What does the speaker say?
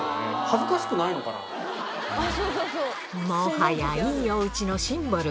もはやいいお家のシンボル